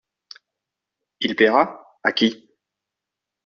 Il plaira ?… à qui ?…